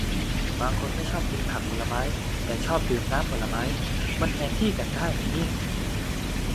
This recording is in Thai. บางคนไม่ชอบกินผักผลไม้ แต่ชอบดื่มน้ำผลไม้ มันแทนกันได้ไหมเนี่ย